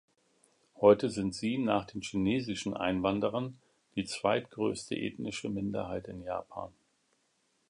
Heute sind sie, nach den chinesischen Einwanderern, die zweitgrößte ethnische Minderheit in Japan.